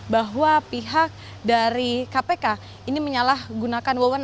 bahwa pihak dari kpk ini menyalahgunakan wawonan